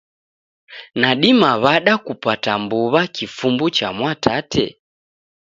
Nadima w'ada kupata mbuw'a kifumbu cha Mwatate?